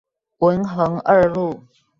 文橫二路